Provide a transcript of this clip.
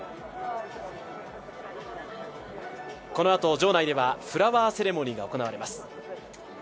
このあと場内ではフラワーセレモニーが行われます。